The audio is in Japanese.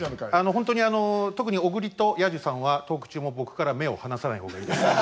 本当にあの特に小栗と彌十さんはトーク中も僕から目を離さない方がいいです。